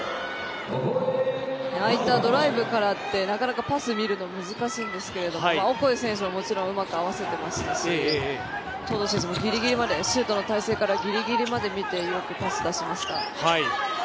ああいったドライブからってなかなかパスを見るのが難しいんですけどもオコエ選手ももちろんうまく合わせていましたし東藤選手もシュートの体勢からギリギリまでよく見てよくパス出しました。